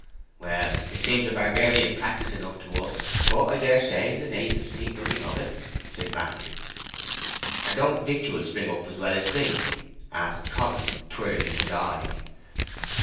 "Well, it seems a barbarian practice enough to us, but I daresay the natives think nothing o' it," said Matthew. "And don't victuals spring up as well as drink?" asked Coggan, twirling his eye.